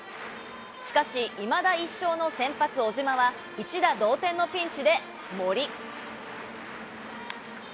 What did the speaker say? しかしいまだ１勝の先発、小島は、一打同点のピンチで森。